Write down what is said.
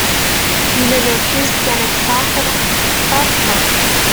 Il est le fils d'Aleksandr Barkov.